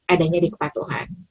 adanya di kepatuhan